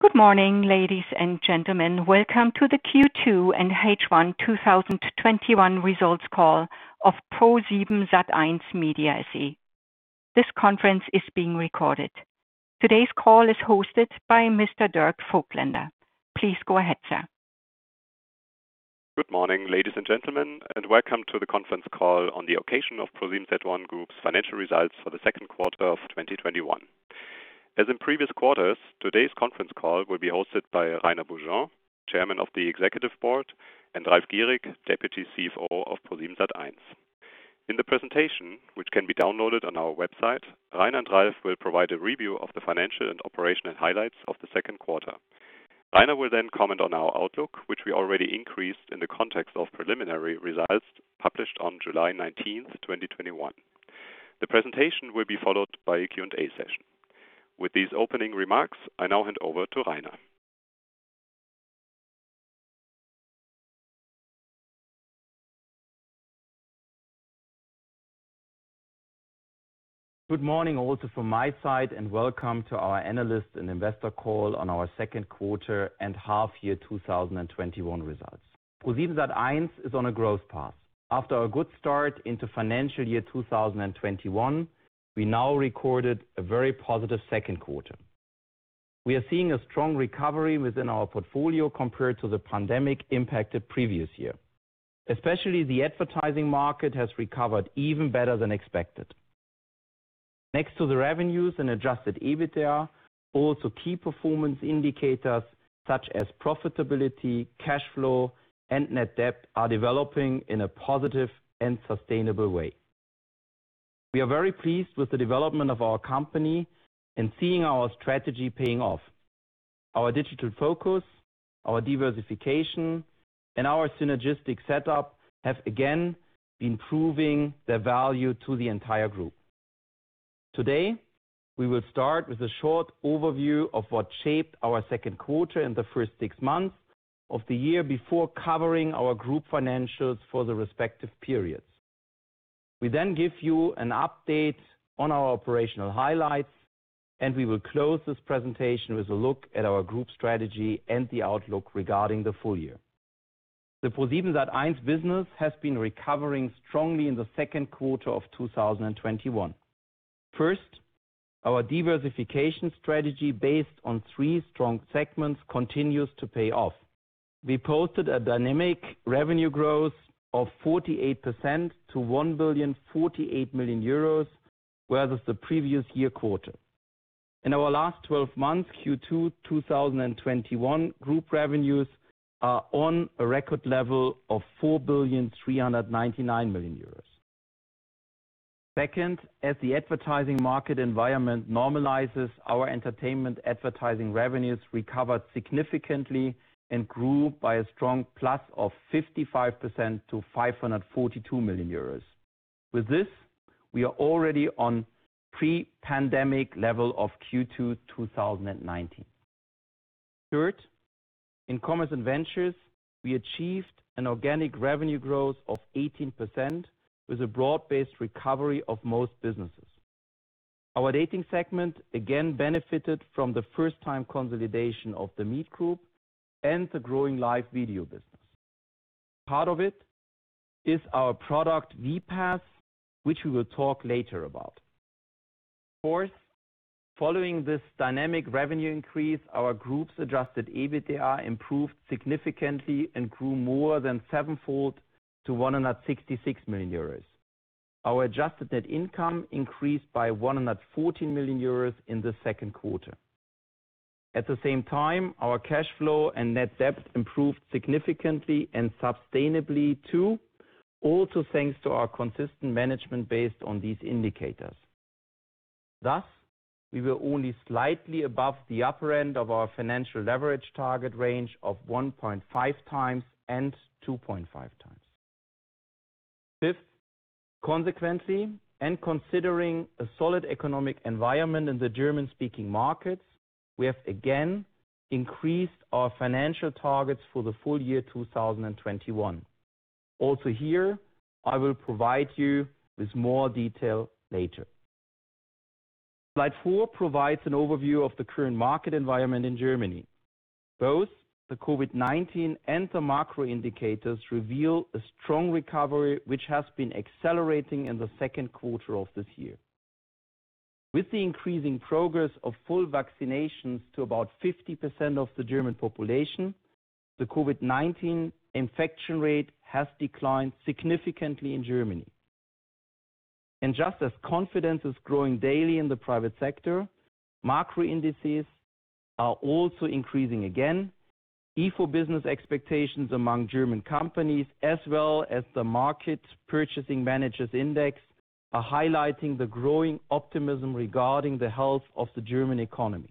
Good morning, ladies and gentlemen. Welcome to the Q2 and H1 2021 results call of ProSiebenSat.1 Media SE. This conference is being recorded. Today's call is hosted by Mr. Dirk Voigtländer. Please go ahead, sir. Good morning, ladies and gentlemen, and welcome to the conference call on the occasion of ProSiebenSat.1 Group's financial results for the second quarter of 2021. As in previous quarters, today's conference call will be hosted by Rainer Beaujean, Chairman of the Executive Board, and Ralf Gierig, Deputy CFO of ProSiebenSat.1. In the presentation, which can be downloaded on our website, Rainer and Ralf will provide a review of the financial and operational highlights of the second quarter. Rainer will comment on our outlook, which we already increased in the context of preliminary results published on July 19th, 2021. The presentation will be followed by a Q&A session. With these opening remarks, I now hand over to Rainer. Good morning also from my side, and welcome to our analyst and investor call on our second quarter and half year 2021 results. ProSiebenSat.1 is on a growth path. After a good start into financial year 2021, we now recorded a very positive second quarter. We are seeing a strong recovery within our portfolio compared to the pandemic-impacted previous year. Especially the advertising market has recovered even better than expected. Next to the revenues and adjusted EBITDA, also key performance indicators such as profitability, cash flow, and net debt are developing in a positive and sustainable way. We are very pleased with the development of our company and seeing our strategy paying off. Our digital focus, our diversification, and our synergistic setup have again been proving their value to the entire group. Today, we will start with a short overview of what shaped our second quarter and the first six months of the year before covering our group financials for the respective periods. We give you an update on our operational highlights, and we will close this presentation with a look at our group strategy and the outlook regarding the full year. The ProSiebenSat.1 business has been recovering strongly in the second quarter of 2021. First, our diversification strategy based on three strong segments continues to pay off. We posted a dynamic revenue growth of 48% to 1,048 million euros. In our last 12 months, Q2 2021 group revenues are on a record level of 4,399 million euros. Second, as the advertising market environment normalizes, our entertainment advertising revenues recovered significantly and grew by a strong plus of 55% to 542 million euros. With this, we are already on pre-pandemic level of Q2 2019. Third, in Commerce and Ventures, we achieved an organic revenue growth of 18% with a broad-based recovery of most businesses. Our dating segment again benefited from the first-time consolidation of The Meet Group and the growing live video business. Part of it is our product vPaaS, which we will talk later about. Fourth, following this dynamic revenue increase, our group's adjusted EBITDA improved significantly and grew more than sevenfold to 166 million euros. Our adjusted net income increased by 114 million euros in the second quarter. At the same time, our cash flow and net debt improved significantly and sustainably too, also thanks to our consistent management based on these indicators. We were only slightly above the upper end of our financial leverage target range of 1.5x and 2.5x. Fifth, consequently, and considering a solid economic environment in the German-speaking markets, we have again increased our financial targets for the full year 2021. Here, I will provide you with more detail later. Slide four provides an overview of the current market environment in Germany. Both the COVID-19 and the macro indicators reveal a strong recovery which has been accelerating in the second quarter of this year. With the increasing progress of full vaccinations to about 50% of the German population, the COVID-19 infection rate has declined significantly in Germany. Just as confidence is growing daily in the private sector, macro indices are also increasing again. Ifo business expectations among German companies as well as the market purchasing managers index are highlighting the growing optimism regarding the health of the German economy.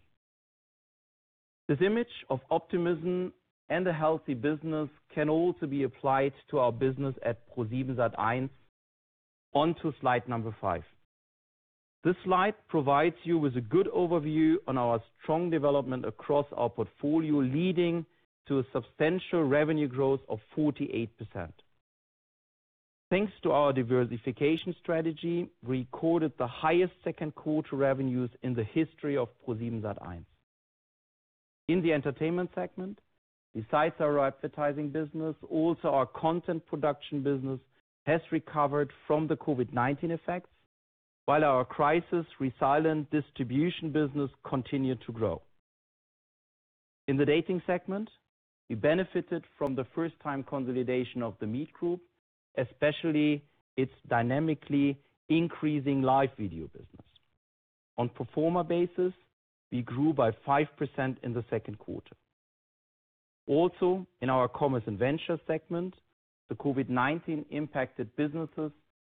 This image of optimism and a healthy business can also be applied to our business at ProSiebenSat.1. On to slide number five. This slide provides you with a good overview on our strong development across our portfolio, leading to a substantial revenue growth of 48%. Thanks to our diversification strategy, we recorded the highest second quarter revenues in the history of ProSiebenSat.1. In the entertainment segment, besides our advertising business, also our content production business has recovered from the COVID-19 effects, while our crisis-resilient distribution business continued to grow. In the dating segment, we benefited from the first-time consolidation of The Meet Group, especially its dynamically increasing live video business. On pro forma basis, we grew by 5% in the second quarter. In our commerce and venture segment, the COVID-19 impacted businesses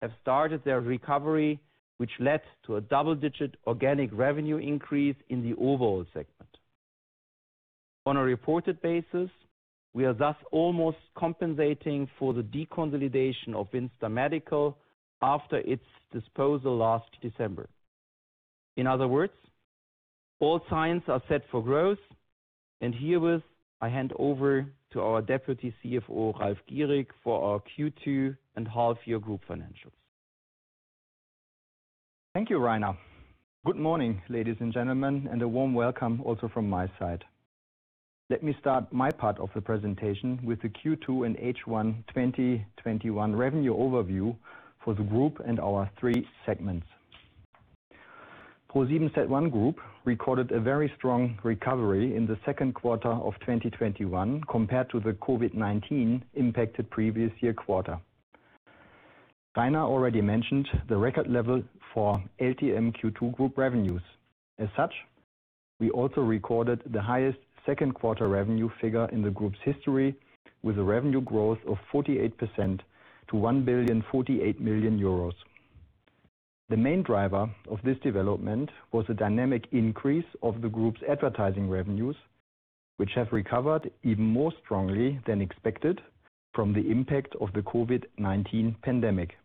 have started their recovery, which led to a double-digit organic revenue increase in the overall segment. On a reported basis, we are thus almost compensating for the deconsolidation of WindStar Medical after its disposal last December. In other words, all signs are set for growth. Herewith, I hand over to our Deputy CFO, Ralf Gierig, for our Q2 and half year group financials. Thank you, Rainer. Good morning, ladies and gentlemen, and a warm welcome also from my side. Let me start my part of the presentation with the Q2 and H1 2021 revenue overview for the group and our three segments. ProSiebenSat.1 Group recorded a very strong recovery in the second quarter of 2021 compared to the COVID-19 impacted previous year quarter. Rainer already mentioned the record level for LTMQ2 Group revenues. We also recorded the highest second quarter revenue figure in the group's history, with a revenue growth of 48% to 1,048,000,000 euros. The main driver of this development was a dynamic increase of the group's advertising revenues, which have recovered even more strongly than expected from the impact of the COVID-19 pandemic.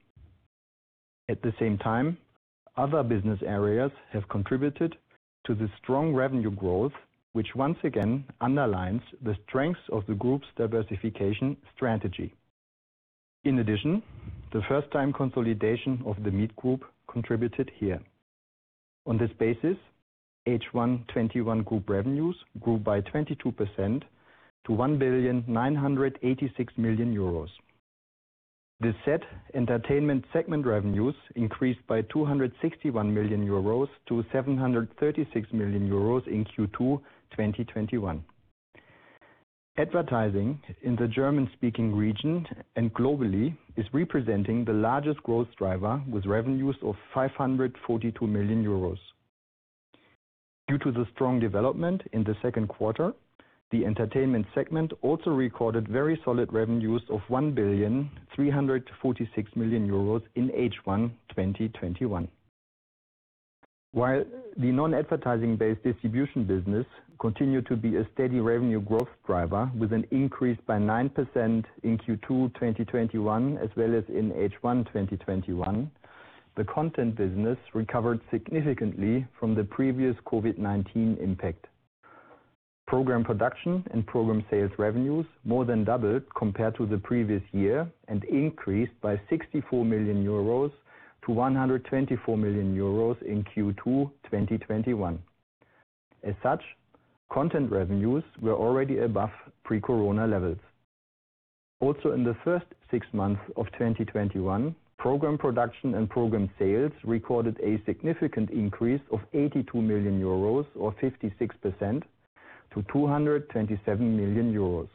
Other business areas have contributed to the strong revenue growth, which once again underlines the strengths of the group's diversification strategy. In addition, the first-time consolidation of Meet Group contributed here. On this basis, H1 2021 Group revenues grew by 22% to 1,986,000,000 euros. The Seven.One entertainment segment revenues increased by 261 million euros to 736 million euros in Q2 2021. Advertising in the German-speaking region and globally is representing the largest growth driver with revenues of 542 million euros. Due to the strong development in the second quarter, the entertainment segment also recorded very solid revenues of 1,346,000,000 euros in H1 2021. The non-advertising-based distribution business continued to be a steady revenue growth driver with an increase by 9% in Q2 2021, as well as in H1 2021, the content business recovered significantly from the previous COVID-19 impact. Program production and program sales revenues more than doubled compared to the previous year and increased by 64 million euros to 124 million euros in Q2 2021. Content revenues were already above pre-corona levels. In the first six months of 2021, program production and program sales recorded a significant increase of 82 million euros or 56% to 227 million euros.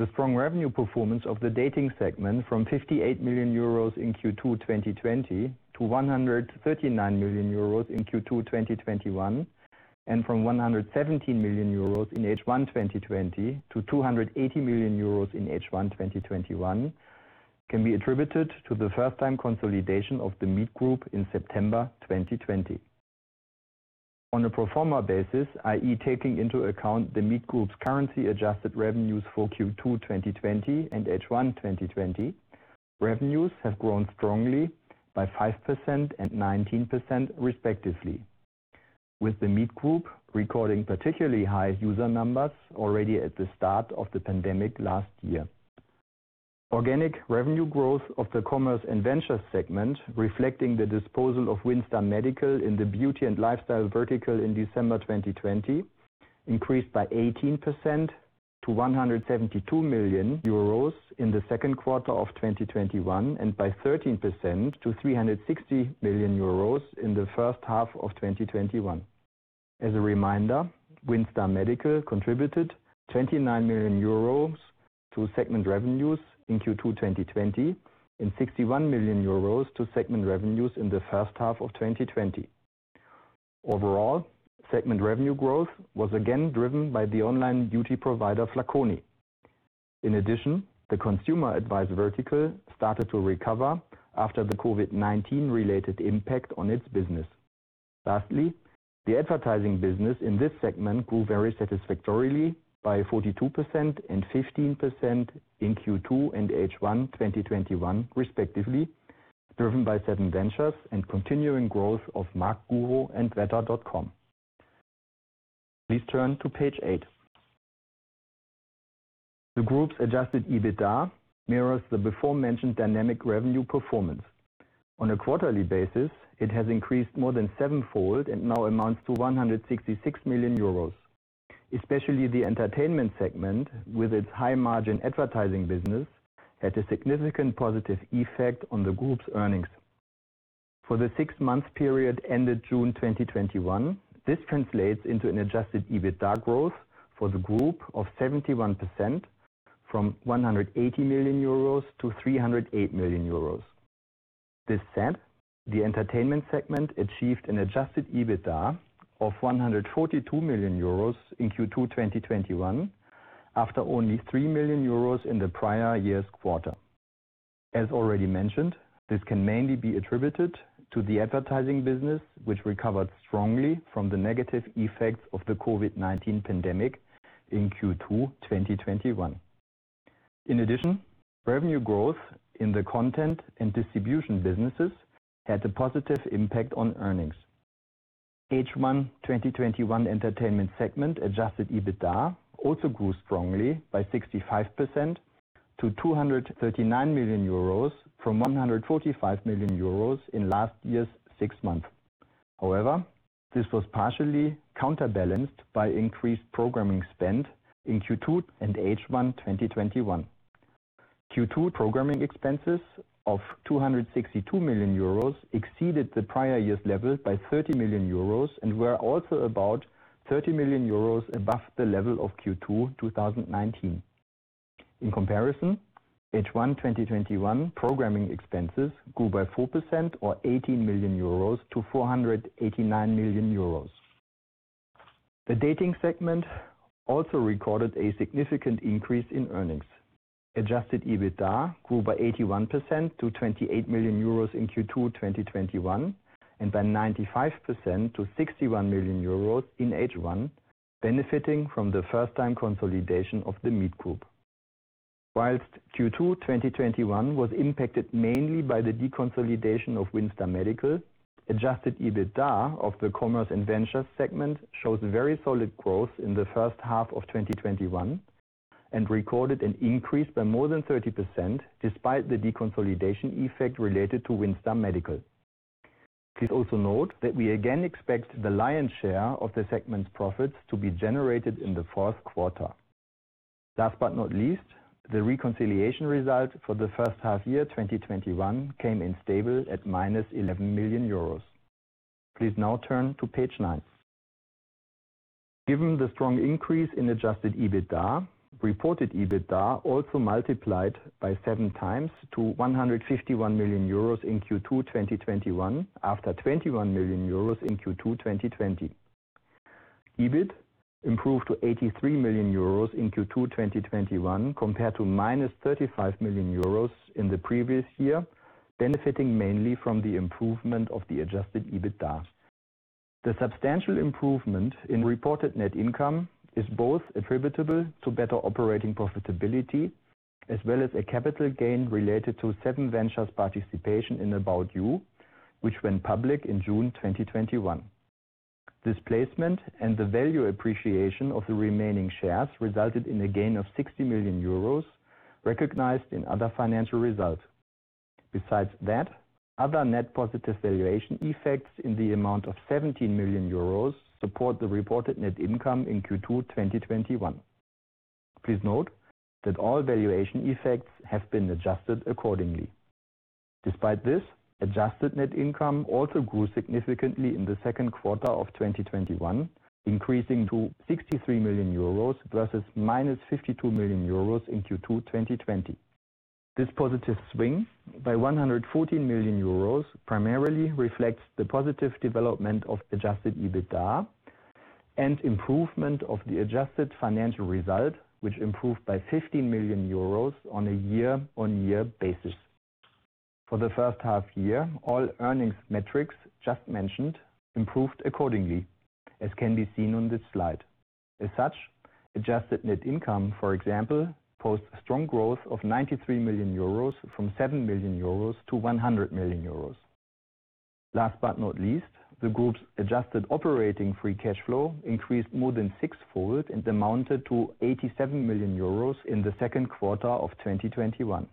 The strong revenue performance of the dating segment from 58 million euros in Q2 2020 to 139 million euros in Q2 2021, and from 117 million euros in H1 2020 to 280 million euros in H1 2021, can be attributed to the first-time consolidation of The Meet Group in September 2020. On a pro forma basis, i.e., taking into account The Meet Group's currency-adjusted revenues for Q2 2020 and H1 2020, revenues have grown strongly by 5% and 19% respectively, with The Meet Group recording particularly high user numbers already at the start of the pandemic last year. Organic revenue growth of the commerce and ventures segment, reflecting the disposal of WindStar Medical in the beauty and lifestyle vertical in December 2020, increased by 18% to 172 million euros in the second quarter of 2021 and by 13% to 360 million euros in the first half of 2021. As a reminder, WindStar Medical contributed 29 million euros to segment revenues in Q2 2020 and 61 million euros to segment revenues in the first half of 2020. Overall, segment revenue growth was again driven by the online beauty provider, Flaconi. In addition, the consumer advice vertical started to recover after the COVID-19 related impact on its business. Lastly, the advertising business in this segment grew very satisfactorily by 42% and 15% in Q2 and H1 2021 respectively, driven by certain ventures and continuing growth of marktguru and wetter.com. Please turn to page eight. The group's adjusted EBITDA mirrors the before-mentioned dynamic revenue performance. On a quarterly basis, it has increased more than sevenfold and now amounts to 166 million euros. Especially the entertainment segment, with its high-margin advertising business, had a significant positive effect on the group's earnings. For the six-month period ended June 2021, this translates into an adjusted EBITDA growth for the group of 71%, from 180 million euros to 308 million euros. This said, the entertainment segment achieved an adjusted EBITDA of 142 million euros in Q2 2021, after only 3 million euros in the prior year's quarter. As already mentioned, this can mainly be attributed to the advertising business, which recovered strongly from the negative effects of the COVID-19 pandemic in Q2 2021. In addition, revenue growth in the content and distribution businesses had a positive impact on earnings. H1 2021 entertainment segment adjusted EBITDA also grew strongly by 65% to 239 million euros from 145 million euros in last year's six months. However, this was partially counterbalanced by increased programming spend in Q2 and H1 2021. Q2 programming expenses of 262 million euros exceeded the prior year's level by 30 million euros, and were also about 30 million euros above the level of Q2 2019. In comparison, H1 2021 programming expenses grew by 4%, or 18 million euros to 489 million euros. The dating segment also recorded a significant increase in earnings. Adjusted EBITDA grew by 81% to 28 million euros in Q2 2021, and by 95% to 61 million euros in H1, benefiting from the first-time consolidation of The Meet Group. Whilst Q2 2021 was impacted mainly by the deconsolidation of WindStar Medical, adjusted EBITDA of the commerce and ventures segment shows very solid growth in the first half of 2021 and recorded an increase by more than 30%, despite the deconsolidation effect related to WindStar Medical. Please also note that we again expect the lion's share of the segment's profits to be generated in the fourth quarter. Last but not least, the reconciliation result for the first half year 2021 came in stable at minus 11 million euros. Please now turn to page 9. Given the strong increase in adjusted EBITDA, reported EBITDA also multiplied by 7x to 151 million euros in Q2 2021, after 21 million euros in Q2 2020. EBIT improved to 83 million euros in Q2 2021 compared to minus 35 million euros in the previous year, benefiting mainly from the improvement of the adjusted EBITDA. The substantial improvement in reported net income is both attributable to better operating profitability as well as a capital gain related to SevenVentures participation in About You, which went public in June 2021. This placement and the value appreciation of the remaining shares resulted in a gain of 60 million euros recognized in other financial results. Besides that, other net positive valuation effects in the amount of 17 million euros support the reported net income in Q2 2021. Please note that all valuation effects have been adjusted accordingly. Despite this, adjusted net income also grew significantly in the second quarter of 2021, increasing to 63 million euros versus minus 52 million euros in Q2 2020. This positive swing by 114 million euros primarily reflects the positive development of adjusted EBITDA and improvement of the adjusted financial result, which improved by 15 million euros on a year-on-year basis. For the first half year, all earnings metrics just mentioned improved accordingly, as can be seen on this slide. As such, adjusted net income, for example, posts strong growth of 93 million euros from 7 million euros to 100 million euros. Last but not least, the group's adjusted operating free cash flow increased more than sixfold and amounted to 87 million euros in the second quarter of 2021.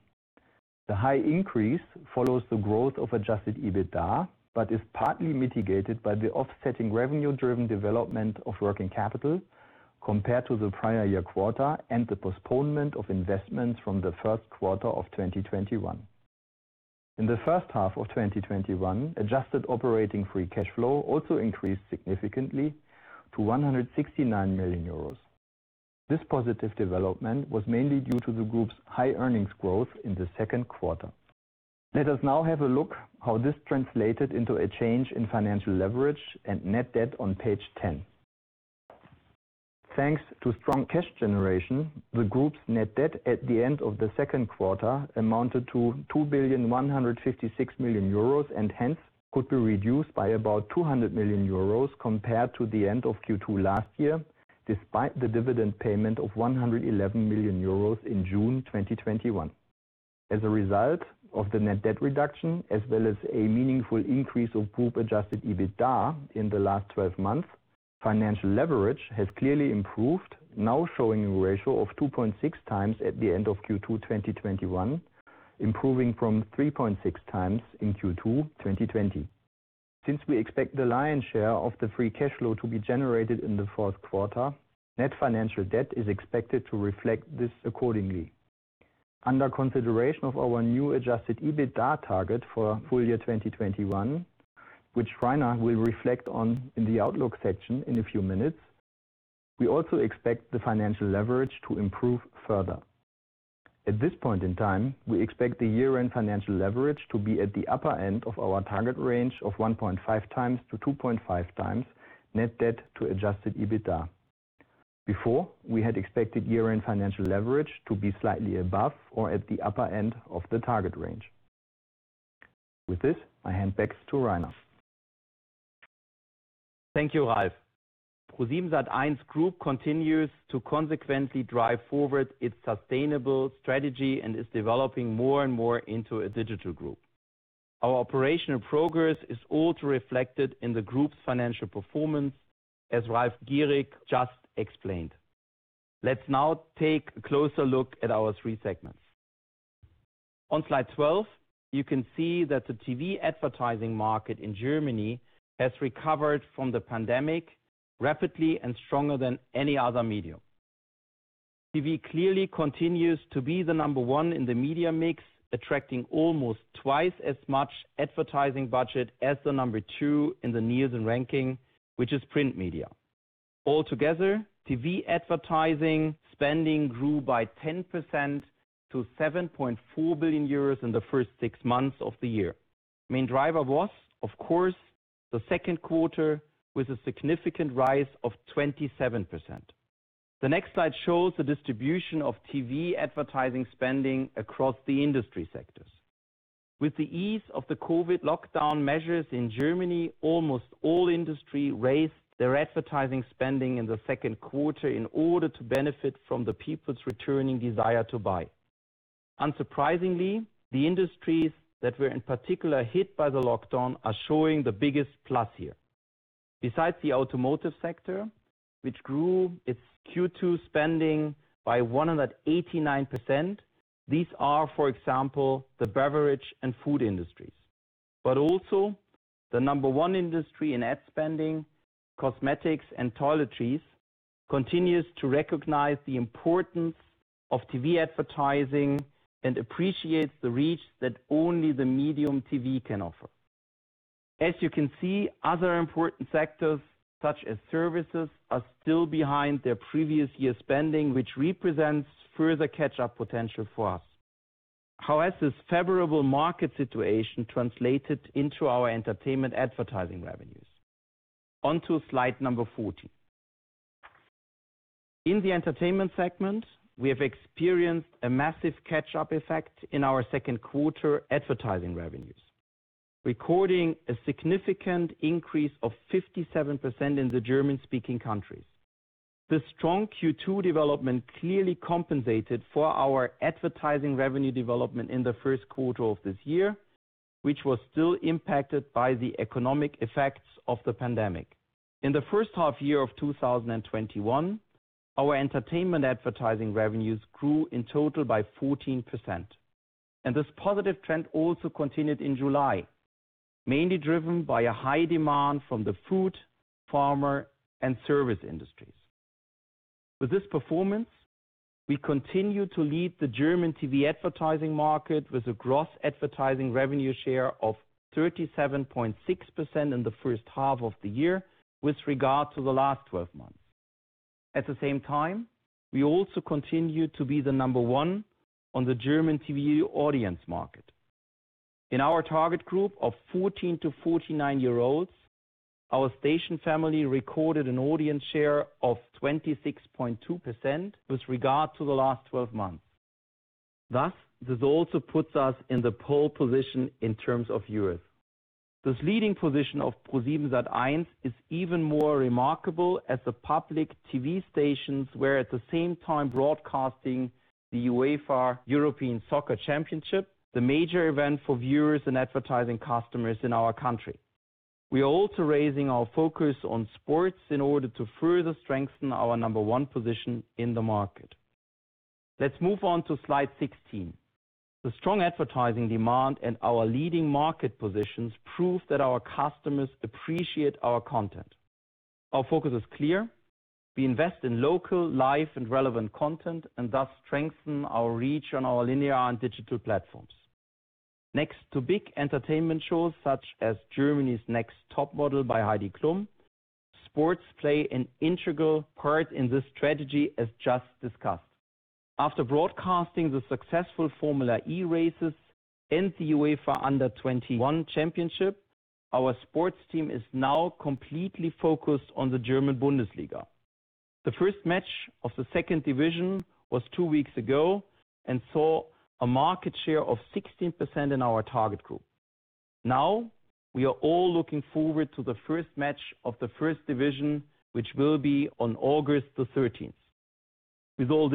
The high increase follows the growth of adjusted EBITDA, but is partly mitigated by the offsetting revenue-driven development of working capital compared to the prior year quarter and the postponement of investments from the first quarter of 2021. In the first half of 2021, adjusted operating free cash flow also increased significantly to 169 million euros. This positive development was mainly due to the group's high earnings growth in the second quarter. Let us now have a look how this translated into a change in financial leverage and net debt on page 10. Thanks to strong cash generation, the group's net debt at the end of the second quarter amounted to 2,156,000,000 euros, and hence could be reduced by about 200 million euros compared to the end of Q2 last year, despite the dividend payment of 111 million euros in June 2021. As a result of the net debt reduction, as well as a meaningful increase of group adjusted EBITDA in the last 12 months, financial leverage has clearly improved, now showing a ratio of 2.6x at the end of Q2 2021, improving from 3.6x in Q2 2020. Since we expect the lion's share of the free cash flow to be generated in the fourth quarter, net financial debt is expected to reflect this accordingly. Under consideration of our new adjusted EBITDA target for full year 2021, which Rainer will reflect on in the outlook section in a few minutes, we also expect the financial leverage to improve further. At this point in time, we expect the year-end financial leverage to be at the upper end of our target range of 1.5 times-2.5 times net debt to adjusted EBITDA. Before, we had expected year-end financial leverage to be slightly above or at the upper end of the target range. With this, I hand back to Rainer. Thank you, Ralf. ProSiebenSat.1 Group continues to consequently drive forward its sustainable strategy and is developing more and more into a digital group. Our operational progress is also reflected in the group's financial performance, as Ralf Gierig just explained. Let's now take a closer look at our three segments. On slide 12, you can see that the TV advertising market in Germany has recovered from the pandemic rapidly and stronger than any other medium. TV clearly continues to be the number 1 in the media mix, attracting almost twice as much advertising budget as the number 2 in the Nielsen ranking, which is print media. All together, TV advertising spending grew by 10% to 7.4 billion euros in the first six months of the year. Main driver was, of course, the second quarter, with a significant rise of 27%. The next slide shows the distribution of TV advertising spending across the industry sectors. With the ease of the COVID lockdown measures in Germany, almost all industry raised their advertising spending in the second quarter in order to benefit from the people's returning desire to buy. Unsurprisingly, the industries that were in particular hit by the lockdown are showing the biggest plus here. Besides the automotive sector, which grew its Q2 spending by 189%, these are, for example, the beverage and food industries. Also the number one industry in ad spending, cosmetics and toiletries, continues to recognize the importance of TV advertising and appreciates the reach that only the medium TV can offer. As you can see, other important sectors such as services are still behind their previous year's spending, which represents further catch-up potential for us. How has this favorable market situation translated into our entertainment advertising revenues? On to slide number 14. In the entertainment segment, we have experienced a massive catch-up effect in our second quarter advertising revenues, recording a significant increase of 57% in the German-speaking countries. The strong Q2 development clearly compensated for our advertising revenue development in the first quarter of this year, which was still impacted by the economic effects of the pandemic. In the first half year of 2021, our entertainment advertising revenues grew in total by 14%. This positive trend also continued in July, mainly driven by a high demand from the food, pharma, and service industries. With this performance, we continue to lead the German TV advertising market with a gross advertising revenue share of 37.6% in the first half of the year with regard to the last 12 months. At the same time, we also continue to be the number one on the German TV audience market. In our target group of 14 to 49-year-olds, our station family recorded an audience share of 26.2% with regard to the last 12 months. This also puts us in the pole position in terms of viewers. This leading position of ProSiebenSat.1 is even more remarkable as the public TV stations were at the same time broadcasting the UEFA European Championship, the major event for viewers and advertising customers in our country. We are also raising our focus on sports in order to further strengthen our number one position in the market. Let's move on to slide 16. The strong advertising demand and our leading market positions prove that our customers appreciate our content. Our focus is clear. We invest in local life and relevant content and strengthen our reach on our linear and digital platforms. Next to big entertainment shows such as "Germany's Next Topmodel" by Heidi Klum, sports play an integral part in this strategy, as just discussed. After broadcasting the successful Formula E races and the UEFA European Under-21 Championship, our sports team is now completely focused on the Bundesliga. The first match of the second division was two weeks ago and saw a market share of 16% in our target group. We are all looking forward to the first match of the first division, which will be on August 13th. With all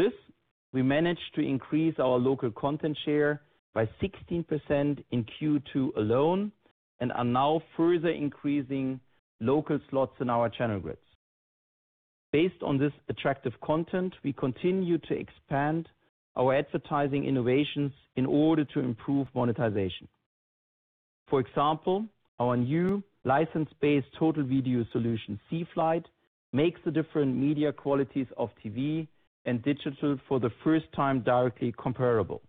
this, we managed to increase our local content share by 16% in Q2 alone, and are now further increasing local slots in our channel grids. Based on this attractive content, we continue to expand our advertising innovations in order to improve monetization. For example, our new license-based total video solution, CFlight, makes the different media qualities of TV and digital for the first time directly comparable.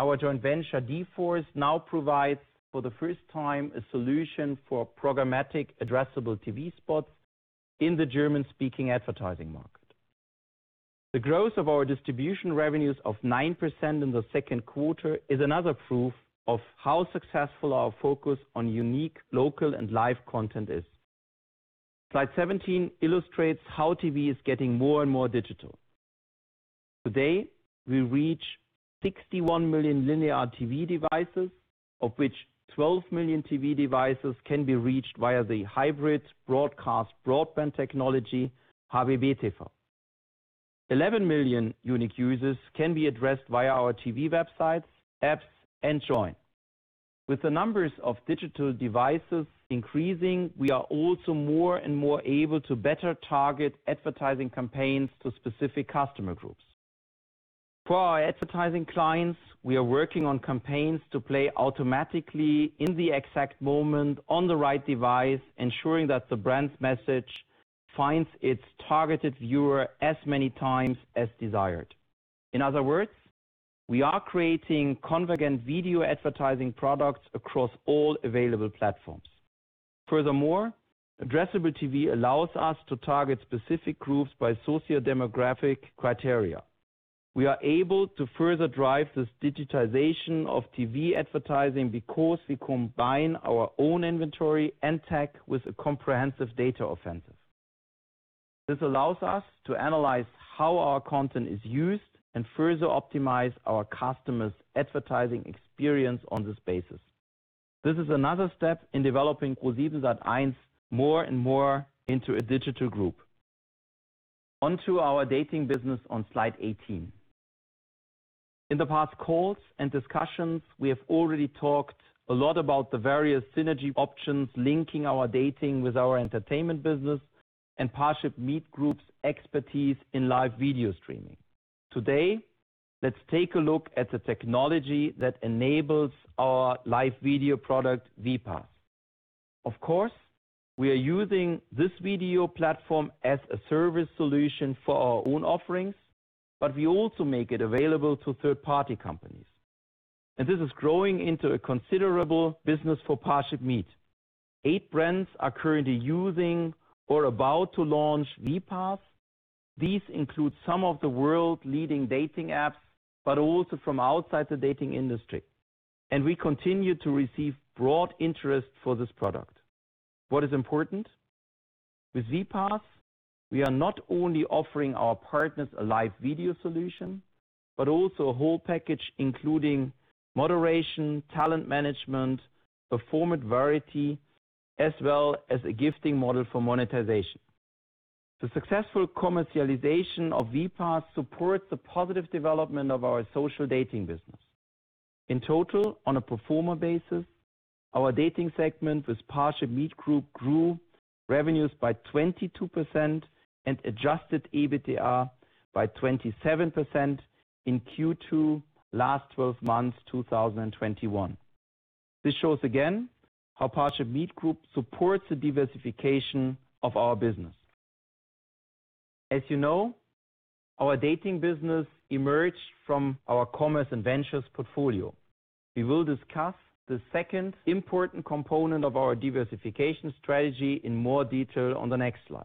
Our joint venture, d-force, now provides, for the first time, a solution for programmatic addressable TV spots in the German-speaking advertising market. The growth of our distribution revenues of 9% in the second quarter is another proof of how successful our focus on unique local and live content is. Slide 17 illustrates how TV is getting more and more digital. Today, we reach 61 million linear TV devices, of which 12 million TV devices can be reached via the hybrid broadcast broadband technology, HbbTV. 11 million unique users can be addressed via our TV websites, apps, and Joyn. With the numbers of digital devices increasing, we are also more and more able to better target advertising campaigns to specific customer groups. For our advertising clients, we are working on campaigns to play automatically in the exact moment on the right device, ensuring that the brand's message finds its targeted viewer as many times as desired. In other words, we are creating convergent video advertising products across all available platforms. Furthermore, addressable TV allows us to target specific groups by sociodemographic criteria. We are able to further drive this digitization of TV advertising because we combine our own inventory and tech with a comprehensive data offensive. This allows us to analyze how our content is used and further optimize our customers' advertising experience on this basis. This is another step in developing ProSiebenSat.1 more and more into a digital group. Onto our dating business on slide 18. In the past calls and discussions, we have already talked a lot about the various synergy options linking our dating with our entertainment business and ParshipMeet Group's expertise in live video streaming. Today, let's take a look at the technology that enables our live video product, vPaaS. Of course, we are using this video platform as a service solution for our own offerings, but we also make it available to third-party companies. This is growing into a considerable business for ParshipMeet. Eight brands are currently using or about to launch vPaaS. These include some of the world-leading dating apps, but also from outside the dating industry. We continue to receive broad interest for this product. What is important? With vPaaS, we are not only offering our partners a live video solution, but also a whole package, including moderation, talent management, performance variety, as well as a gifting model for monetization. The successful commercialization of vPaaS supports the positive development of our social dating business. In total, on a pro forma basis, our dating segment with ParshipMeet Group grew revenues by 22% and adjusted EBITDA by 27% in Q2 last 12 months, 2021. This shows again how ParshipMeet Group supports the diversification of our business. As you know, our dating business emerged from our commerce and ventures portfolio. We will discuss the second important component of our diversification strategy in more detail on the next slide.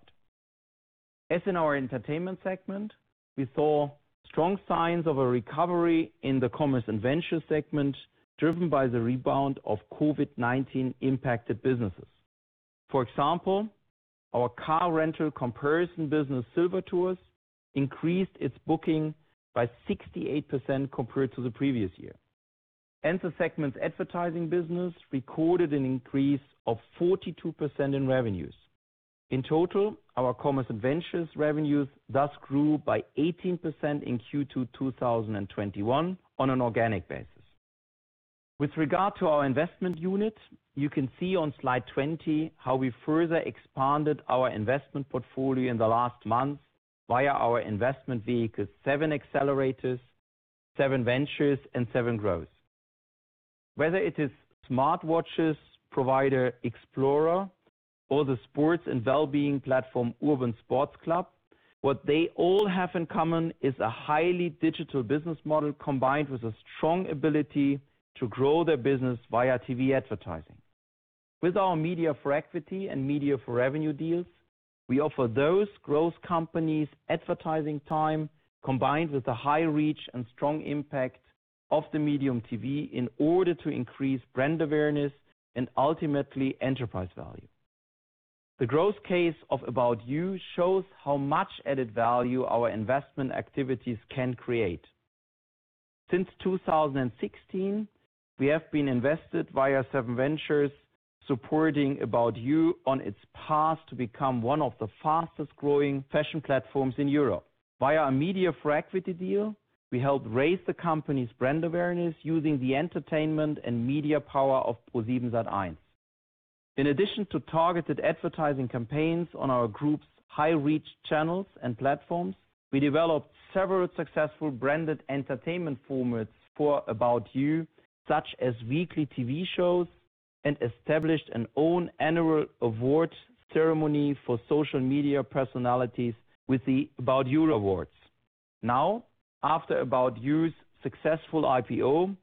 As in our entertainment segment, we saw strong signs of a recovery in the commerce and ventures segment, driven by the rebound of COVID-19 impacted businesses. For example, our car rental comparison business, SilverTours, increased its booking by 68% compared to the previous year. The segment's advertising business recorded an increase of 42% in revenues. In total, our commerce and ventures revenues thus grew by 18% in Q2 2021 on an organic basis. With regard to our investment unit, you can see on slide 20 how we further expanded our investment portfolio in the last month via our investment vehicles, SevenAccelerator, SevenVentures, and SevenGrowth. Whether it is smartwatches provider, Xplora, or the sports and wellbeing platform, Urban Sports Club, what they all have in common is a highly digital business model combined with a strong ability to grow their business via TV advertising. With our media for equity and media for revenue deals, we offer those growth companies advertising time, combined with the high reach and strong impact of the medium TV in order to increase brand awareness and ultimately enterprise value. The growth case of About You shows how much added value our investment activities can create. Since 2016, we have been invested via SevenVentures, supporting About You on its path to become one of the fastest-growing fashion platforms in Europe. Via a media for equity deal, we helped raise the company's brand awareness using the entertainment and media power of ProSiebenSat.1. In addition to targeted advertising campaigns on our group's high-reach channels and platforms, we developed several successful branded entertainment formats for About You, such as weekly TV shows, and established an own annual award ceremony for social media personalities with the About You Awards. Now, after About You's successful IPO,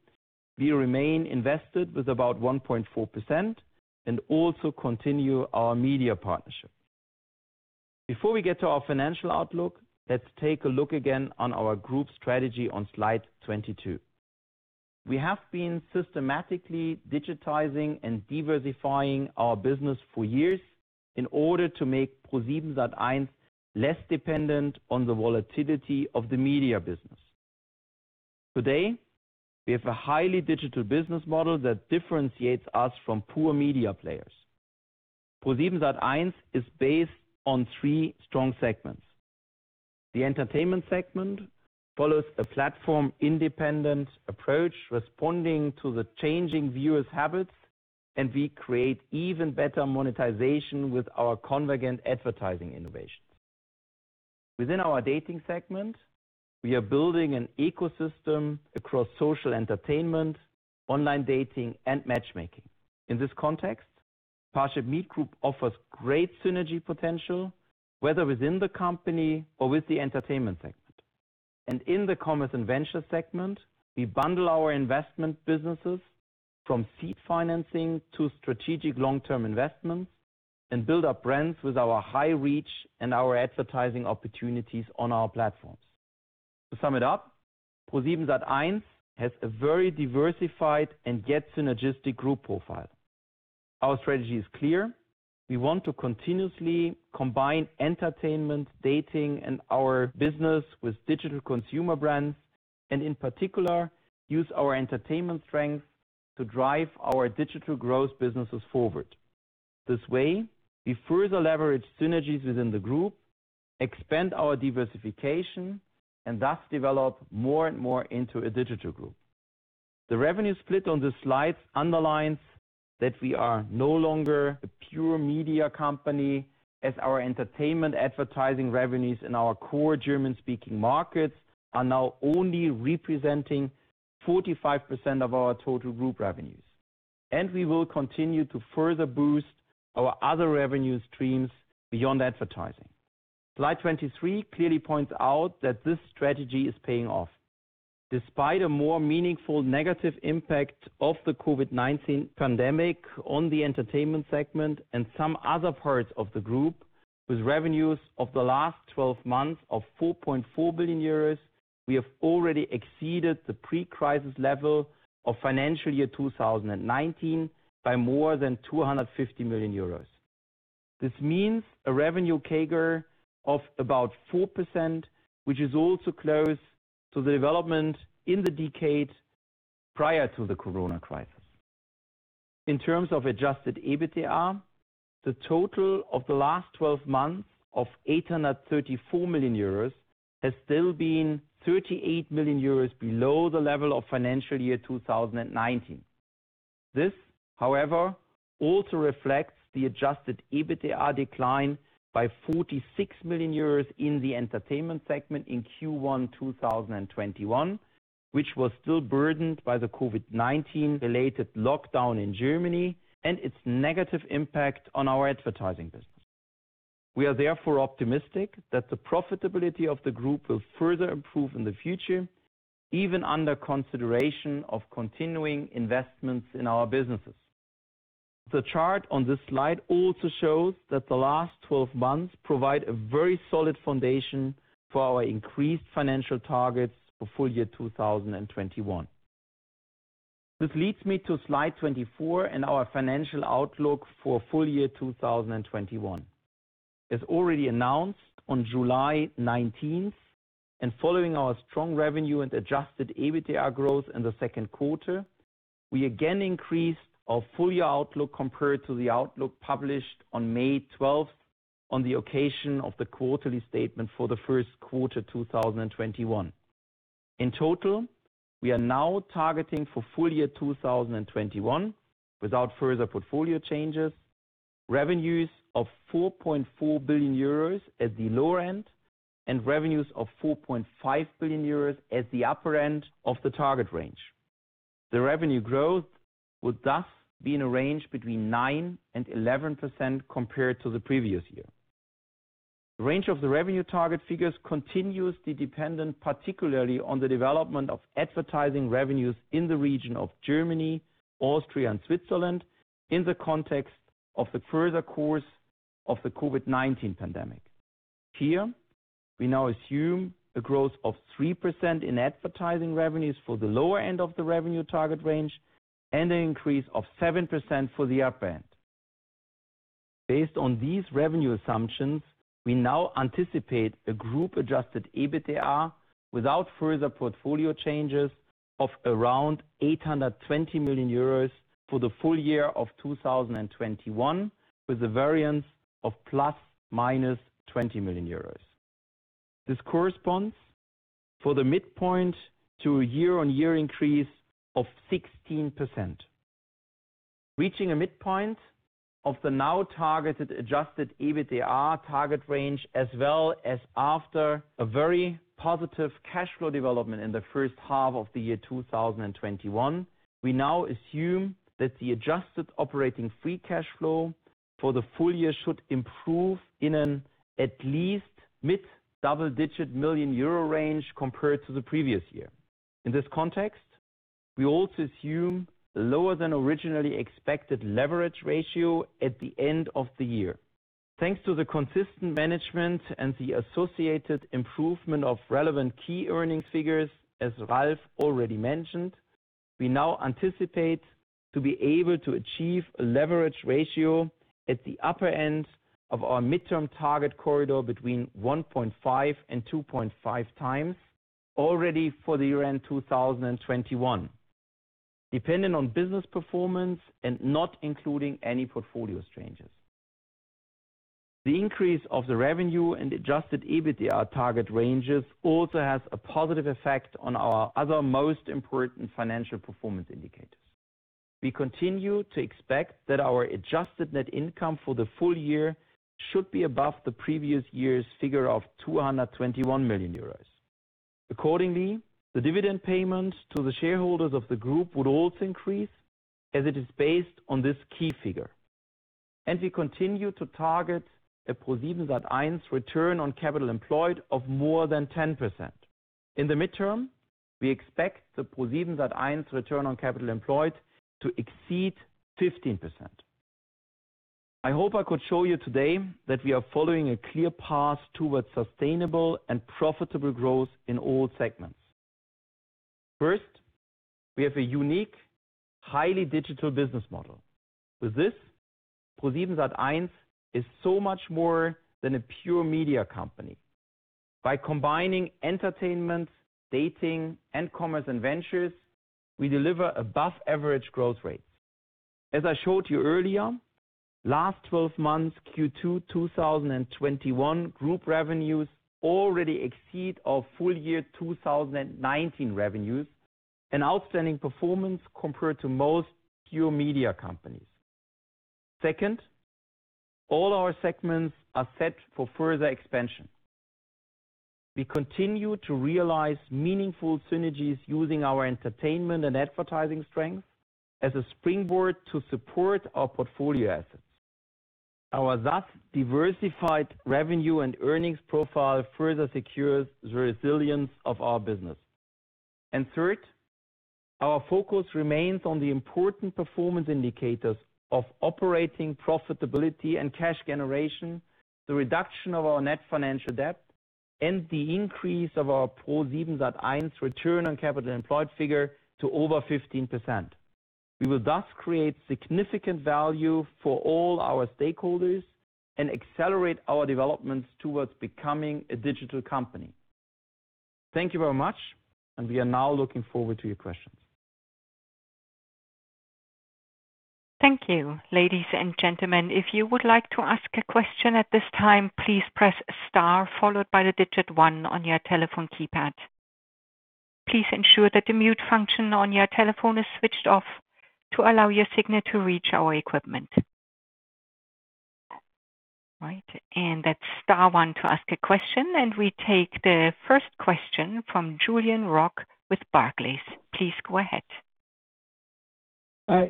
we remain invested with about 1.4% and also continue our media partnership. Before we get to our financial outlook, let's take a look again on our group strategy on slide 22. We have been systematically digitizing and diversifying our business for years in order to make ProSiebenSat.1 less dependent on the volatility of the media business. Today, we have a highly digital business model that differentiates us from pure media players. ProSiebenSat.1 is based on three strong segments. The entertainment segment follows a platform-independent approach, responding to the changing viewers' habits, and we create even better monetization with our convergent advertising innovations. Within our dating segment, we are building an ecosystem across social entertainment, online dating, and matchmaking. In this context, ParshipMeet Group offers great synergy potential, whether within the company or with the entertainment segment. In the commerce and venture segment, we bundle our investment businesses from seed financing to strategic long-term investments and build up brands with our high reach and our advertising opportunities on our platforms. To sum it up, ProSiebenSat.1 has a very diversified and yet synergistic group profile. Our strategy is clear. We want to continuously combine entertainment, dating, and our business with digital consumer brands, and in particular, use our entertainment strength to drive our digital growth businesses forward. This way, we further leverage synergies within the group, expand our diversification, and thus develop more and more into a digital group. The revenue split on this slide underlines that we are no longer a pure media company as our entertainment advertising revenues in our core German-speaking markets are now only representing 45% of our total group revenues. We will continue to further boost our other revenue streams beyond advertising. Slide 23 clearly points out that this strategy is paying off. Despite a more meaningful negative impact of the COVID-19 pandemic on the entertainment segment and some other parts of the group, with revenues of the last 12 months of 4.4 billion euros, we have already exceeded the pre-crisis level of financial year 2019 by more than 250 million euros. This means a revenue CAGR of about 4%, which is also close to the development in the decade prior to the Corona virus. In terms of adjusted EBITDA, the total of the last 12 months of 834 million euros has still been 38 million euros below the level of financial year 2019. This, however, also reflects the adjusted EBITDA decline by 46 million euros in the entertainment segment in Q1 2021, which was still burdened by the COVID-19 related lockdown in Germany and its negative impact on our advertising business. We are therefore optimistic that the profitability of the group will further improve in the future, even under consideration of continuing investments in our businesses. The chart on this slide also shows that the last 12 months provide a very solid foundation for our increased financial targets for full year 2021. This leads me to slide 24 and our financial outlook for full year 2021. As already announced on July 19th, and following our strong revenue and adjusted EBITDA growth in the second quarter, we again increased our full-year outlook compared to the outlook published on May 12th on the occasion of the quarterly statement for the first quarter 2021. In total, we are now targeting for full year 2021, without further portfolio changes, revenues of 4.4 billion euros at the lower end and revenues of 4.5 billion euros at the upper end of the target range. The revenue growth will thus be in a range between 9% and 11% compared to the previous year. The range of the revenue target figures continues to be dependent, particularly on the development of advertising revenues in the region of Germany, Austria, and Switzerland in the context of the further course of the COVID-19 pandemic. Here, we now assume a growth of 3% in advertising revenues for the lower end of the revenue target range and an increase of 7% for the upper end. Based on these revenue assumptions, we now anticipate a group-adjusted EBITDA without further portfolio changes of around 820 million euros for the full year of 2021, with a variance of ±20 million euros. This corresponds for the midpoint to a year-on-year increase of 16%. Reaching a midpoint of the now targeted adjusted EBITDA target range as well as after a very positive cash flow development in the first half of the year 2021. We now assume that the adjusted operating free cash flow for the full year should improve in an at least mid-double-digit million Euro range compared to the previous year. In this context, we also assume a lower than originally expected leverage ratio at the end of the year. Thanks to the consistent management and the associated improvement of relevant key earnings figures, as Ralf already mentioned, we now anticipate to be able to achieve a leverage ratio at the upper end of our midterm target corridor between 1.5 and 2.5 times already for the year-end 2021, dependent on business performance and not including any portfolio changes. The increase of the revenue and adjusted EBITDA target ranges also has a positive effect on our other most important financial performance indicators. We continue to expect that our adjusted net income for the full year should be above the previous year's figure of 221 million euros. Accordingly, the dividend payment to the shareholders of the group would also increase as it is based on this key figure. We continue to target a ProSiebenSat.1 return on capital employed of more than 10%. In the midterm, we expect the ProSiebenSat.1 Return on Capital Employed to exceed 15%. I hope I could show you today that we are following a clear path towards sustainable and profitable growth in all segments. First, we have a unique, highly digital business model. With this, ProSiebenSat.1 is so much more than a pure media company. By combining Entertainment, Dating, and Commerce and Ventures, we deliver above-average growth rates. As I showed you earlier, last 12 months Q2 2021 group revenues already exceed our full year 2019 revenues, an outstanding performance compared to most pure media companies. Second, all our segments are set for further expansion. We continue to realize meaningful synergies using our entertainment and advertising strength as a springboard to support our portfolio assets. Our thus diversified revenue and earnings profile further secures the resilience of our business. Third, our focus remains on the important performance indicators of operating profitability and cash generation, the reduction of our net financial debt, and the increase of our ProSiebenSat.1 return on capital employed figure to over 15%. We will thus create significant value for all our stakeholders and accelerate our development towards becoming a digital company. Thank you very much, and we are now looking forward to your questions. Thank you. Ladies and gentlemen, if you would like to ask a question at this time, please press star followed by the 1 on your telephone keypad. Please ensure that the mute function on your telephone is switched off to allow your signal to reach our equipment. Right. That's star 1 to ask a question. We take the first question from Julien Roch with Barclays. Please go ahead.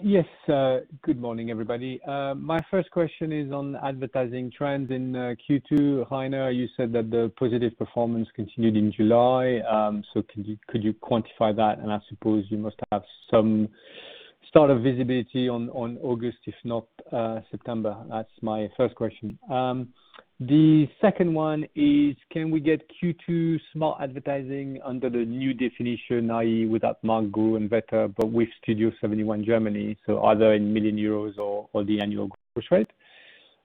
Yes. Good morning, everybody. My first question is on advertising trends in Q2. Rainer, you said that the positive performance continued in July. Could you quantify that? I suppose you must have some start of visibility on August, if not September. That's my first question. The second one is, can we get Q2 Smart Advertising under the new definition, i.e., without marktguru and wetter.com, but with Studio71 Germany, either in million euros or the annual growth rate?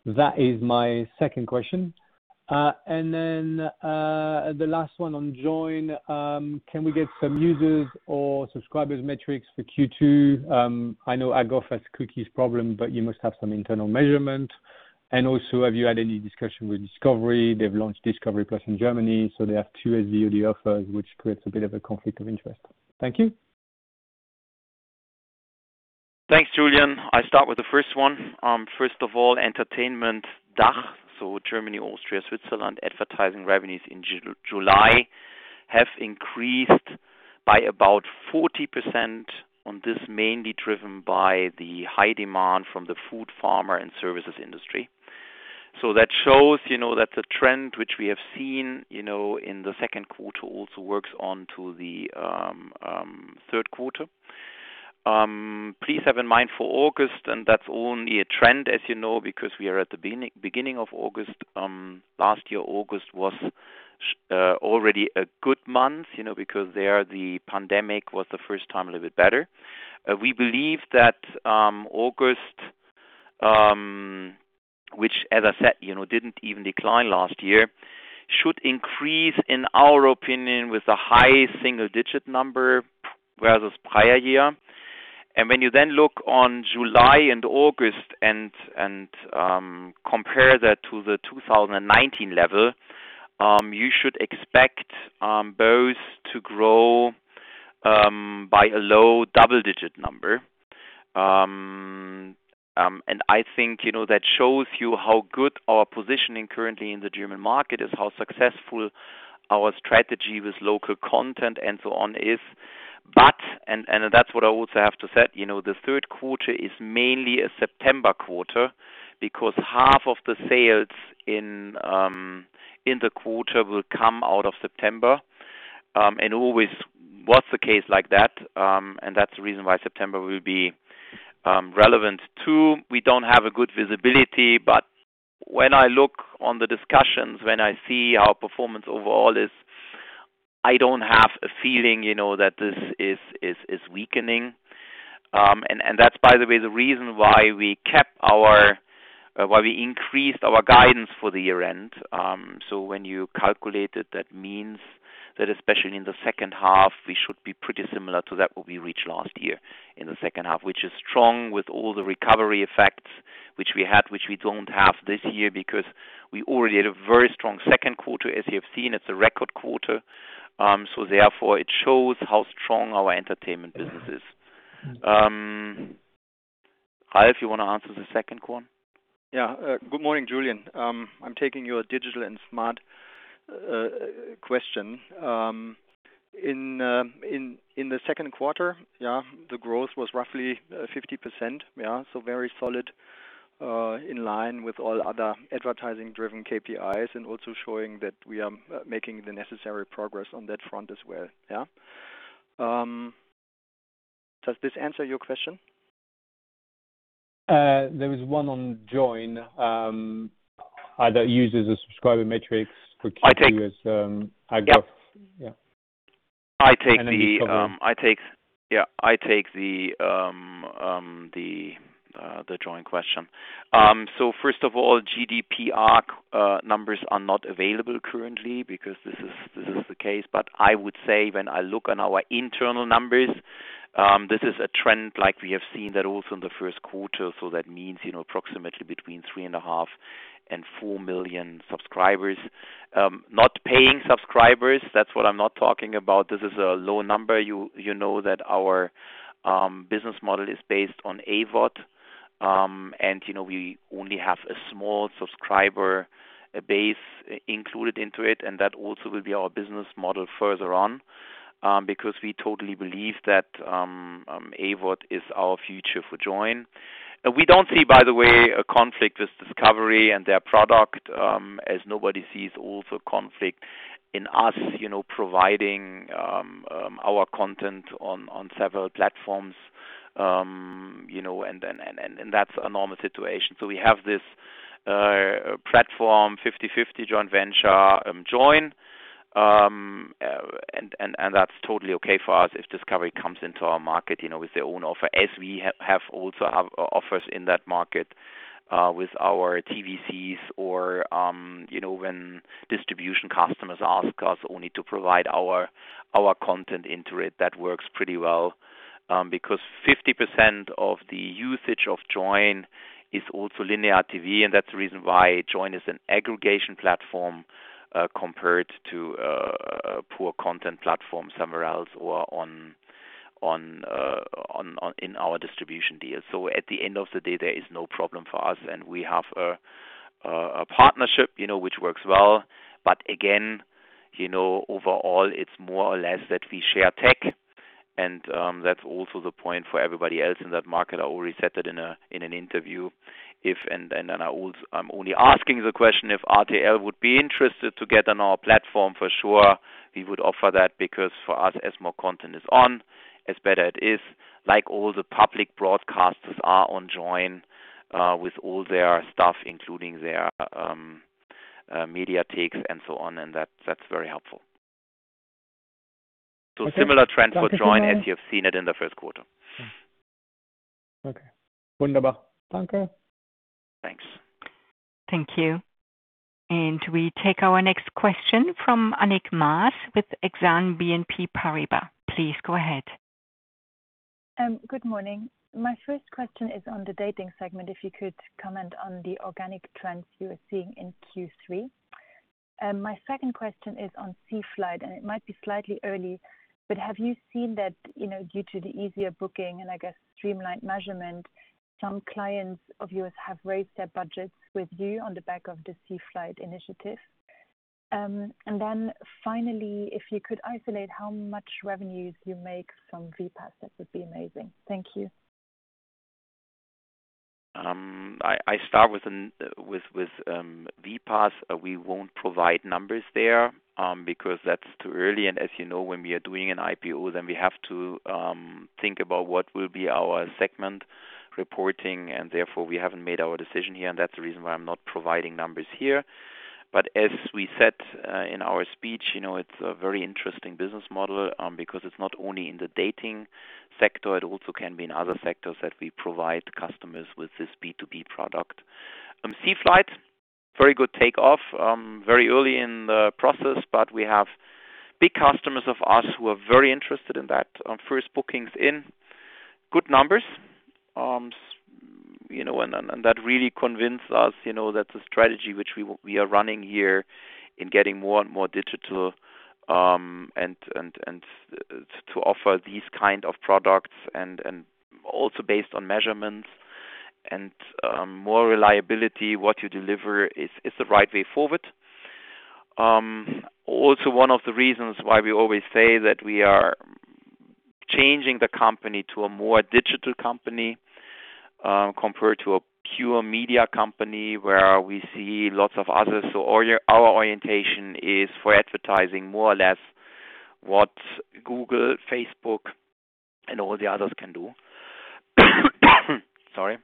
That is my second question. The last one on Joyn. Can we get some users or subscribers metrics for Q2? I know AGOF has cookies problem. You must have some internal measurement. Have you had any discussion with Discovery? They've launched Discovery+ in Germany. They have two SVOD offers, which creates a bit of a conflict of interest. Thank you. Thanks, Julien. I start with the first one. First of all, entertainment DACH, so Germany, Austria, Switzerland, advertising revenues in July have increased by about 40%, on this mainly driven by the high demand from the food, pharma, and services industry. That shows that the trend which we have seen in the second quarter also works on to the third quarter. Please have in mind for August, and that's only a trend, as you know, because we are at the beginning of August. Last year, August was already a good month, because there, the pandemic was, the first time, a little bit better. We believe that August, which as I said, didn't even decline last year, should increase, in our opinion, with a high single-digit number versus prior year. When you then look on July and August and compare that to the 2019 level, you should expect both to grow by a low double-digit number. I think that shows you how good our positioning currently in the German market is, how successful our strategy with local content and so on is. That's what I also have to say, the third quarter is mainly a September quarter, because half of the sales in the quarter will come out of September. Always was the case like that, and that's the reason why September will be relevant, too. We don't have a good visibility, but when I look on the discussions, when I see how performance overall is, I don't have a feeling that this is weakening. That's, by the way, the reason why we increased our guidance for the year-end. When you calculate it, that means that especially in the second half, we should be pretty similar to that what we reached last year in the second half. Which is strong with all the recovery effects which we had, which we don't have this year, because we already had a very strong second quarter, as you have seen. It's a record quarter. Therefore, it shows how strong our entertainment business is. Ralf, you want to answer the second one? Yeah. Good morning, Julien. I am taking your digital and smart question. In the second quarter, the growth was roughly 50%. Yeah. Very solid, in line with all other advertising-driven KPIs, and also showing that we are making the necessary progress on that front as well. Yeah. Does this answer your question? There is one on Joyn, either users or subscriber metrics for- I take- Q2 as AGOF. Yeah. Yeah. I take the Joyn question. First of all, AGOF numbers are not available currently because this is the case. I would say when I look on our internal numbers, this is a trend like we have seen that also in the first quarter. That means approximately between 3.5 and 4 million subscribers. Not paying subscribers, that's what I'm not talking about. This is a low number. You know that our business model is based on AVOD. We only have a small subscriber base included into it, and that also will be our business model further on, because we totally believe that AVOD is our future for Joyn. We don't see, by the way, a conflict with Discovery and their product, as nobody sees also conflict in us providing our content on several platforms. That's a normal situation. We have this platform, 50-50 joint venture, Joyn, and that's totally okay for us if Discovery comes into our market with their own offer, as we have also offers in that market with our TVCs or when distribution customers ask us only to provide our content into it. That works pretty well, because 50% of the usage of Joyn is also linear TV, and that's the reason why Joyn is an aggregation platform compared to a poor content platform somewhere else or in our distribution deal. At the end of the day, there is no problem for us, and we have a partnership which works well. Again, overall, it's more or less that we share tech, and that's also the point for everybody else in that market. I already said that in an interview. I'm only asking the question, if RTL would be interested to get on our platform, for sure, we would offer that. For us, as more content is on, as better it is. Like all the public broadcasters are on Joyn, with all their stuff, including their media techs and so on. That's very helpful. Similar trend for Joyn as you have seen it in the first quarter. Okay. Wonderful. Thank you. Thanks. Thank you. We take our next question from Annick Maas with Exane BNP Paribas. Please go ahead. Good morning. My first question is on the dating segment, if you could comment on the organic trends you are seeing in Q3. My second question is on CFlight, it might be slightly early, but have you seen that due to the easier booking, and I guess streamlined measurement, some clients of yours have raised their budgets with you on the back of the CFlight initiative? Finally, if you could isolate how much revenues you make from vPaaS, that would be amazing. Thank you. I start with vPaaS. We won't provide numbers there because that's too early, and as you know, when we are doing an IPO, then we have to think about what will be our segment reporting, and therefore we haven't made our decision here, and that's the reason why I'm not providing numbers here. As we said in our speech, it's a very interesting business model, because it's not only in the dating sector, it also can be in other sectors that we provide customers with this B2B product. CFlight, very good takeoff. Very early in the process, but we have big customers of ours who are very interested in that. First bookings in. Good numbers, that really convince us, that the strategy which we are running here in getting more and more digital, and to offer these kind of products and also based on measurements and more reliability, what you deliver is the right way forward. One of the reasons why we always say that we are changing the company to a more digital company, compared to a pure media company where we see lots of others. Our orientation is for advertising more or less what Google, Facebook and all the others can do. Sorry.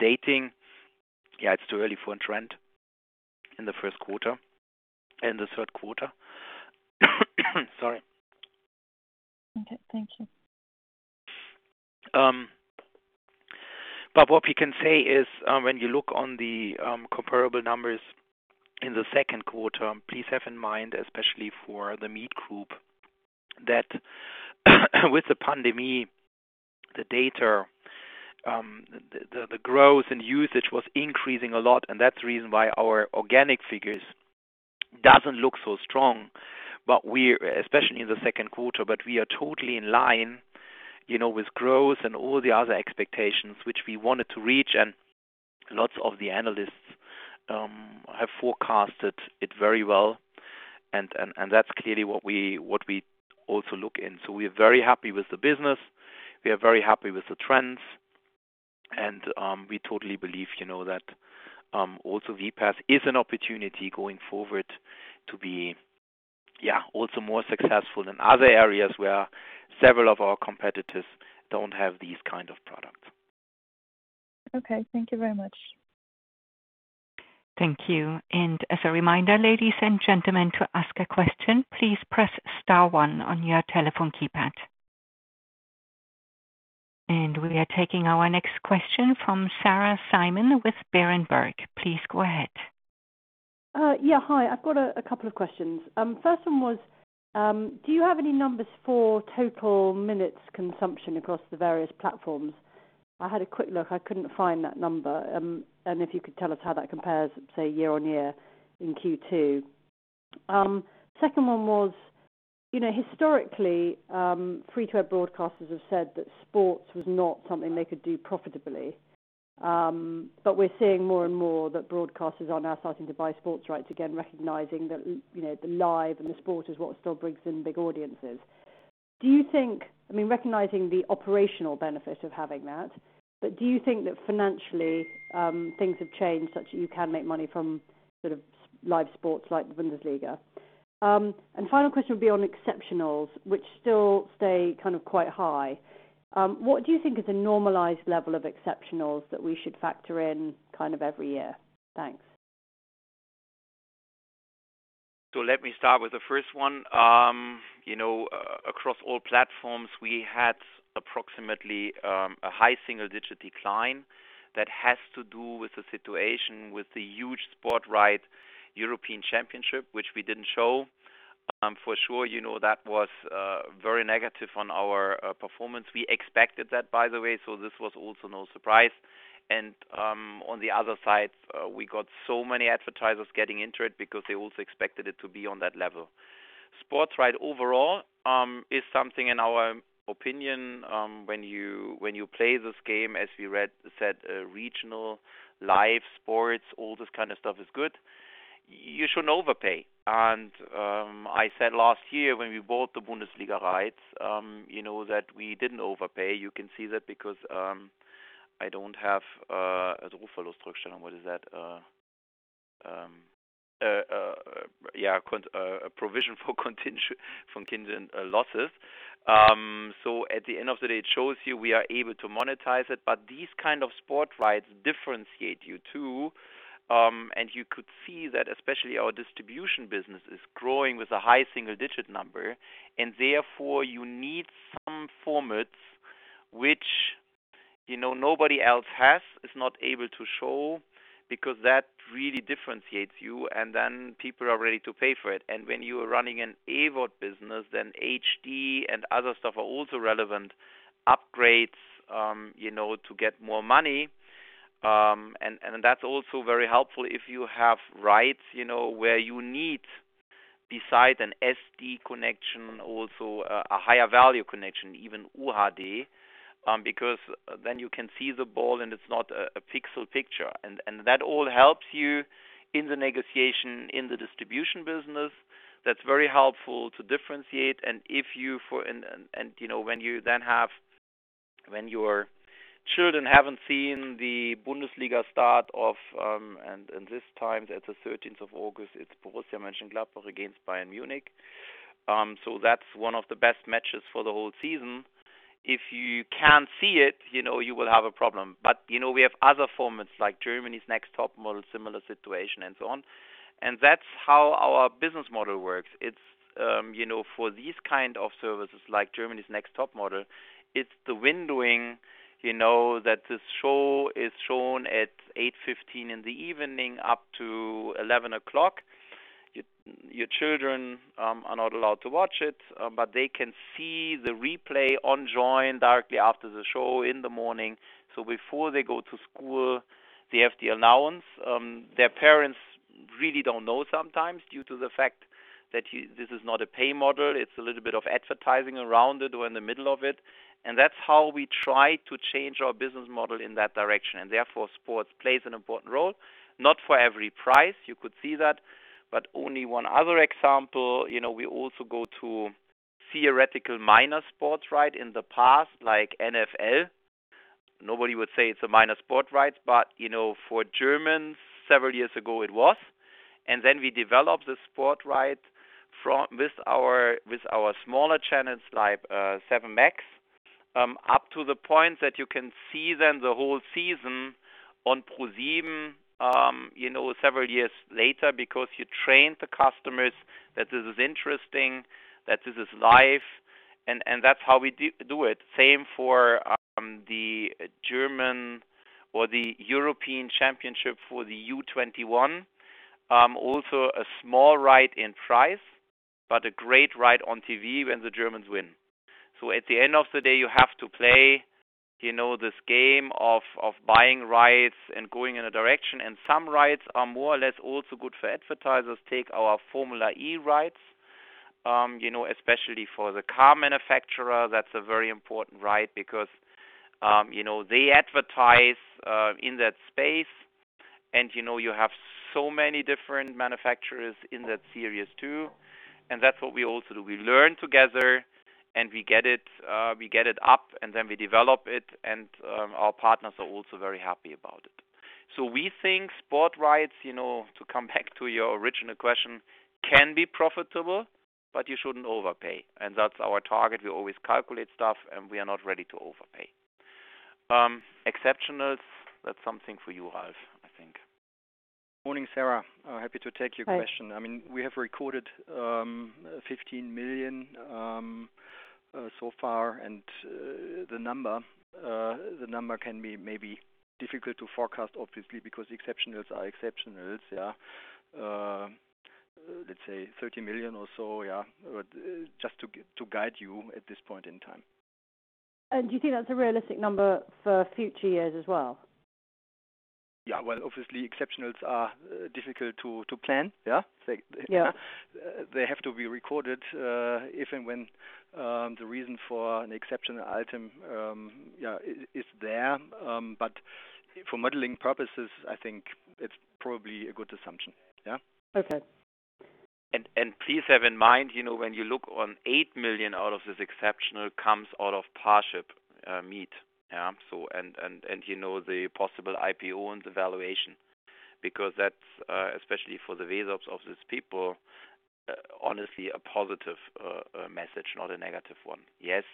Dating, yeah, it's too early for a trend in the third quarter. Sorry. Okay. Thank you. What we can say is, when you look on the comparable numbers in the second quarter, please have in mind, especially for the Meet Group, that with the pandemic, the data, the growth and usage was increasing a lot, and that's the reason why our organic figures doesn't look so strong, especially in the second quarter, but we are totally in line with growth and all the other expectations which we wanted to reach, and lots of the analysts have forecasted it very well, and that's clearly what we also look in. We are very happy with the business. We are very happy with the trends. We totally believe that also vPaaS is an opportunity going forward to be, also more successful than other areas where several of our competitors don't have these kind of products. Okay. Thank you very much. Thank you. As a reminder, ladies and gentlemen, to ask a question, please press star 1 on your telephone keypad. We are taking our next question from Sarah Simon with Berenberg. Please go ahead. Yeah. Hi, I've got a couple of questions. First one was, do you have any numbers for total minutes consumption across the various platforms? I had a quick look. I couldn't find that number. If you could tell us how that compares, say, year-over-year in Q2. Second one was, historically, free-to-air broadcasters have said that sports was not something they could do profitably. We're seeing more and more that broadcasters are now starting to buy sports rights again, recognizing that the live and the sport is what still brings in big audiences. I mean, recognizing the operational benefit of having that, but do you think that financially things have changed such that you can make money from live sports like the Bundesliga? Final question would be on exceptionals, which still stay quite high. What do you think is a normalized level of exceptionals that we should factor in every year? Thanks. Let me start with the first one. Across all platforms, we had approximately a high single-digit decline that has to do with the situation with the huge sport right European Championship, which we didn't show. For sure, that was very negative on our performance. We expected that, by the way, so this was also no surprise. On the other side, we got so many advertisers getting into it because they also expected it to be on that level. Sports right overall is something, in our opinion, when you play this game, as we said, regional live sports, all this kind of stuff is good. You shouldn't overpay. I said last year when we bought the Bundesliga rights, that we didn't overpay. You can see that because, what is that? A provision for contingent losses. At the end of the day, it shows you we are able to monetize it, but these kind of sport rights differentiate you too. You could see that especially our distribution business is growing with a high single-digit number, and therefore you need some formats which nobody else has, is not able to show, because that really differentiates you, and then people are ready to pay for it. When you are running an AVOD business, then HD and other stuff are also relevant upgrades to get more money. That's also very helpful if you have rights where you need, besides an SD connection, also a higher value connection, even UHD, because then you can see the ball and it's not a pixel picture. That all helps you in the negotiation in the distribution business. That's very helpful to differentiate. When your children haven't seen the Bundesliga start of, this time, it's the 13th of August, it's Borussia Mönchengladbach against Bayern Munich. That's one of the best matches for the whole season. If you can't see it, you will have a problem. We have other formats like "Germany's Next Topmodel," similar situation and so on. That's how our business model works. It's for these kind of services like "Germany's Next Topmodel," it's the windowing, that this show is shown at 8:15 P.M. in the evening up to 11:00 P.M. Your children are not allowed to watch it, but they can see the replay on Joyn directly after the show in the morning. Before they go to school, they have the allowance. Their parents really don't know sometimes due to the fact that this is not a pay model, it's a little bit of advertising around it or in the middle of it, that's how we try to change our business model in that direction. Therefore, sports plays an important role, not for every price, you could see that, only one other example, we also go to theoretical minor sports rights in the past, like NFL. Nobody would say it's a minor sports rights, for Germans several years ago it was. Then we developed the sports rights with our smaller channels like ProSieben MAXX, up to the point that you can see then the whole season on ProSieben several years later because you trained the customers that this is interesting, that this is live and that's how we do it. Same for the German or the UEFA European Under-21 Championship. A small right in price, but a great right on TV when the Germans win. At the end of the day, you have to play this game of buying rights and going in a direction, and some rights are more or less also good for advertisers. Take our Formula E rights, especially for the car manufacturer, that's a very important right because they advertise in that space. You have so many different manufacturers in that series, too, and that's what we also do. We learn together, and we get it up, and then we develop it, and our partners are also very happy about it. We think sport rights, to come back to your original question, can be profitable, but you shouldn't overpay. That's our target. We always calculate stuff, and we are not ready to overpay. Exceptionals, that's something for you, Ralf, I think. Morning, Sarah. Happy to take your question. Hi. We have recorded 15 million so far. The number can be maybe difficult to forecast, obviously, because exceptionals are exceptionals, yeah. Let's say 13 million or so, yeah, just to guide you at this point in time. Do you think that's a realistic number for future years as well? Yeah. Well, obviously, exceptionals are difficult to plan, yeah? Yeah. They have to be recorded, if and when, the reason for an exceptional item is there. For modeling purposes, I think it's probably a good assumption. Yeah? Okay. Please have in mind, when you look on 8 million out of this exceptional comes out of ParshipMeet, yeah? The possible IPO and the valuation, because that's, especially for the results of these people, honestly a positive message, not a negative one. Yes,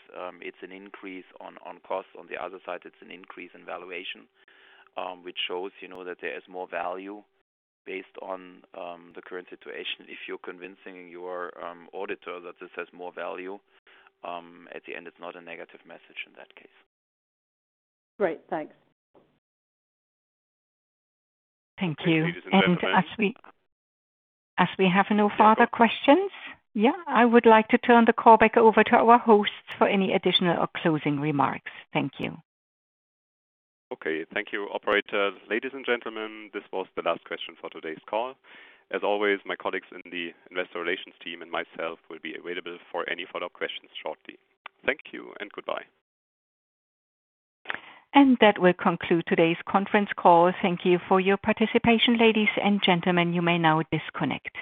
it's an increase on costs. On the other side, it's an increase in valuation, which shows that there is more value based on the current situation. If you're convincing your auditor that this has more value, at the end, it's not a negative message in that case. Great. Thanks. Thank you. Okay, ladies and gentlemen. As we have no further questions, yeah, I would like to turn the call back over to our hosts for any additional or closing remarks. Thank you. Okay. Thank you, operator. Ladies and gentlemen, this was the last question for today's call. As always, my colleagues in the Investor Relations team and myself will be available for any follow-up questions shortly. Thank you and goodbye. That will conclude today's conference call. Thank you for your participation, ladies and gentlemen. You may now disconnect.